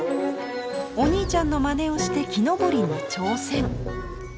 お兄ちゃんのまねをして木登りに挑戦。